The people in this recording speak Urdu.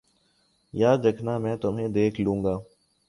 یاد رکھنا میں تمہیں دیکھ لوں گا